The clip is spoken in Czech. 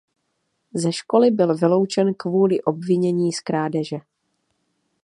Ze školy byl vyloučen kvůli obvinění z krádeže.